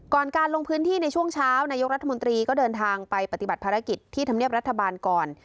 การลงพื้นที่ในช่วงเช้านายกรัฐมนตรีก็เดินทางไปปฏิบัติภารกิจที่ธรรมเนียบรัฐบาลก่อน